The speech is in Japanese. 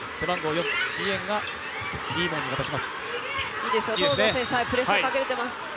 いいですよ、東藤選手、プレッシャーかけられています。